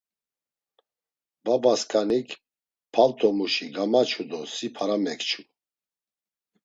Babaskanik paltomuşi gamaçu do si para mekçu.